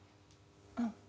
うん。